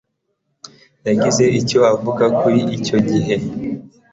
yagize icyo avuga kuri icyo gihe